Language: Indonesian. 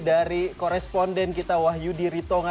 dari koresponden kita wahyu diritonga